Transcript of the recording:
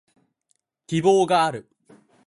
希望がある